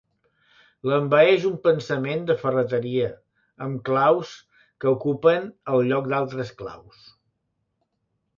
L'envaeix un pensament de ferreteria, amb claus que ocupen el lloc d'altres claus.